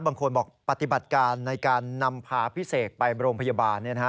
บางคนบอกปฏิบัติการในการนำพาพี่เสกไปโรงพยาบาล